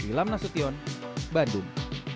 wilam nasution bandung